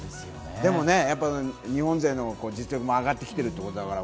でもね、日本勢の実力も上がってきているということだから。